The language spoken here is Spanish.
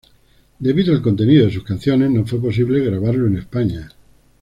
Debido al contenido de sus canciones no fue posible grabarlo en España.